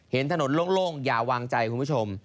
เห็นถนนโล่งอย่าวางใจคุณผู้ชม